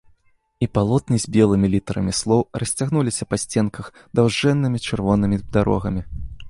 І палотны з белымі літарамі слоў расцягнуліся па сценках даўжэннымі чырвонымі дарогамі.